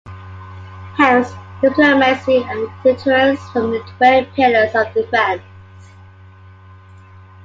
Hence, diplomacy and deterrence form the twin pillars of defence.